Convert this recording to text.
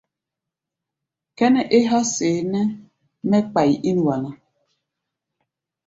Kʼɛ́nɛ́ é há̧ seeʼnɛ́ mɛ́ kpai ín wa ná.